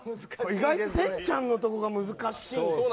意外とせんちゃんのところが難しいですよね。